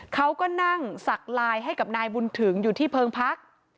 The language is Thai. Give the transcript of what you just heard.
เขาก็นั่งสักลายให้กับนายบุญถึงอยู่ที่เพิงพัก